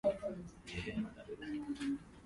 バルセロナ県の県都はバルセロナである